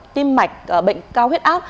tim mạch bệnh cao huyết áp